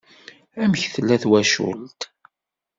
Amek tella twacult?